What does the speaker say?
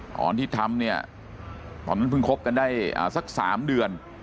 ตอนที่ทำเนี่ยตอนนั้นเพิ่งคบกันได้สัก๓เดือน